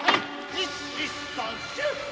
２、２、３、４。